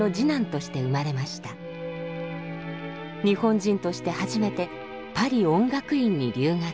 日本人として初めてパリ音楽院に留学。